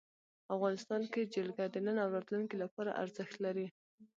افغانستان کې جلګه د نن او راتلونکي لپاره ارزښت لري.